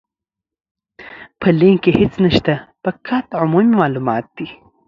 په لينک کې هيڅ نشته، فقط عمومي مالومات دي.